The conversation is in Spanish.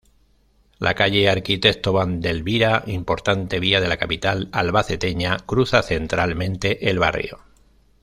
La calle Arquitecto Vandelvira, importante vía de la capital albaceteña, cruza centralmente el barrio.